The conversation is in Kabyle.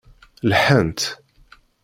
Lḥant.